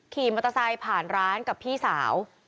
ขี่มอเตอร์ไซค์ผ่านร้านกับพี่สาว